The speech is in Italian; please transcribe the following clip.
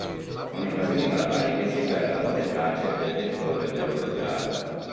Con le invasioni barbariche si perdono le tracce del territorio dell’Olgiata.